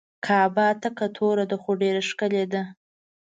کعبه تکه توره ده خو ډیره ښکلې ده.